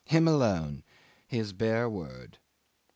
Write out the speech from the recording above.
Him alone! His bare word.